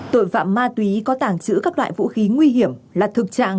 tội phạm ma túy có tàng trữ các loại vũ khí nguy hiểm là thực trạng